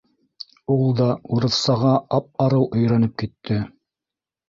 Ул да урыҫсаға ап-арыу өйрәнеп китте.